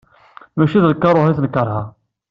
Mačči d karuh i tent-ikreh.